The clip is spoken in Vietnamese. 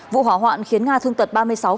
vụ hỏa hoạn khiến nga thương tật ba mươi sáu